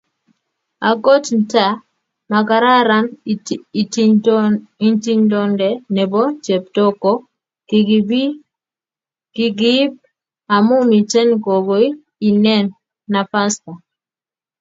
Okot nta makararan itintonde nebo chepto ko kikiib amu miten kokoi inen nafasta.